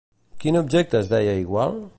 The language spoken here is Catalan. Quin objecte es deia igual?